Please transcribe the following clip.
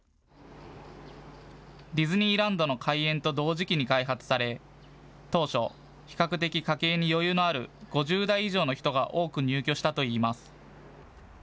ディズニーランドの開園と同時期に開発され当初、比較的家計に余裕のある５０代以上の人が多く入居したといいます。